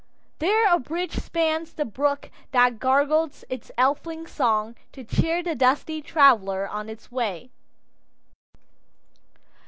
There a bridge spans the brook that gurgles its elfin song to cheer the dusty traveler on its way.